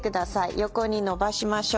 横に伸ばしましょう。